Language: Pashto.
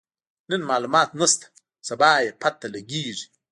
نن مالومات نشته، سبا به يې پته لګيږي.